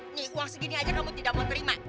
ini uang segini saja kamu tidak mau terima